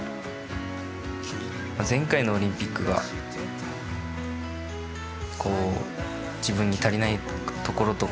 前回のオリンピックがこう自分に足りないところとかが